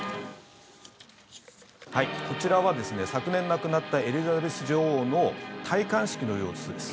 こちらは昨年亡くなったエリザベス女王の戴冠式の様子です。